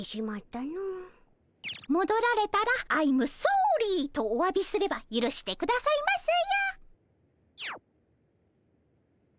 もどられたらアイムソーリーとおわびすればゆるしてくださいますよ。